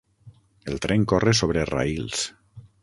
El tren corre sobre raïls.